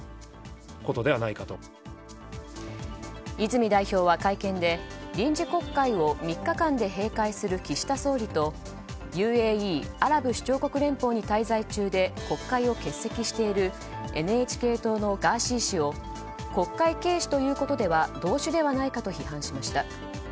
泉代表は会見で、臨時国会を３日間で閉会する岸田総理とＵＡＥ・アラブ首長国連邦に滞在中で国会を欠席しているＮＨＫ党のガーシー氏を国会軽視ということでは同種ではないかと批判しました。